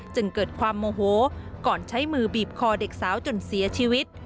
จึงเกิดความโมโหก่อนใช้มือบีบคอเด็กสาวจนเสียชีวิต